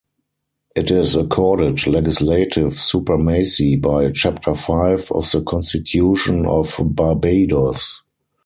It is accorded legislative supremacy by Chapter Five of the Constitution of Barbados.